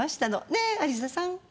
ねえ有沙さん。